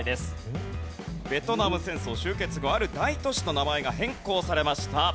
ベトナム戦争終結後ある大都市の名前が変更されました。